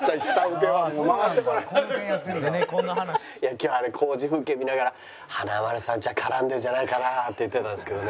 今日工事風景見ながら華丸さん家は絡んでるんじゃないかなって言ってたんですけどね。